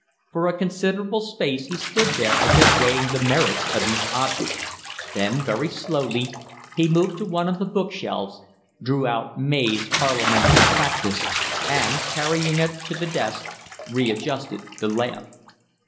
For a considerable space he stood there as if weighing the merits of each object; then very slowly he moved to one of the book shelves, drew out May's Parliamentary Practice, and, carrying it to the desk, readjusted the lamp.